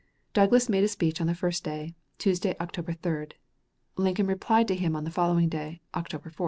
Douglas made a speech on the first day, Tuesday, October 3. Lincoln replied to him on the following day, October 4.